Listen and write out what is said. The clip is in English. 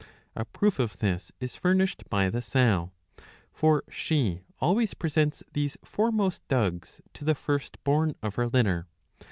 A proof of this is furnished by the sow. For she always presents these foremost dugs to the first born of her litter.